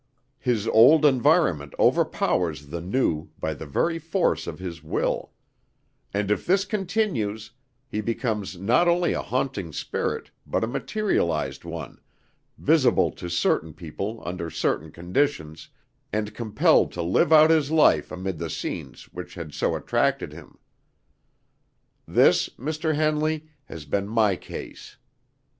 His old environment overpowers the new by the very force of his will; and if this continues, he becomes not only a haunting spirit, but a materialized one, visible to certain people under certain conditions, and compelled to live out his life amid the scenes which had so attracted him. This, Mr. Henley, has been my case.